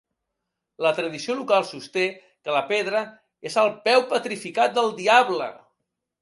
La tradició local sosté que la pedra és el peu petrificat del diable.